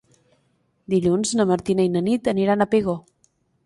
Dilluns na Martina i na Nit aniran a Pego.